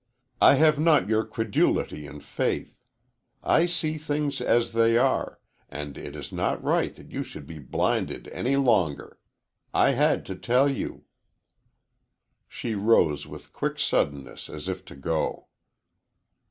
I have not your credulity and faith. I see things as they are, and it is not right that you should be blinded any longer. I had to tell you." She rose with quick suddenness as if to go.